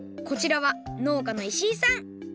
こちらはのうかの石井さん。